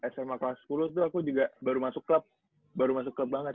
sma kelas sepuluh tuh aku juga baru masuk klub baru masuk klub banget